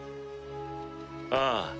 ああ。